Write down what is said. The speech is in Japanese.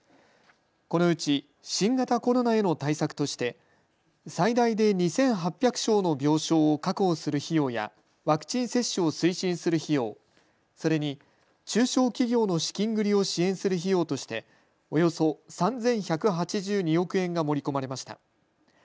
このうち新型コロナへの対策として最大で２８００床の病床を確保する費用やワクチン接種を推進する費用、それに中小企業の資金繰りを支援する費用としておよそ３１８２億円が盛り込まれました。